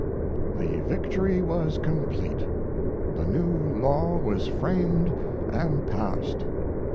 The victory was complete. The new law was framed and passed.